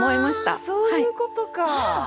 あそういうことか！